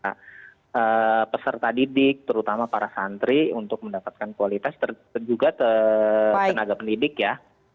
dan juga peserta didik terutama para santri untuk mendapatkan kualitas juga tenaga pendidik ya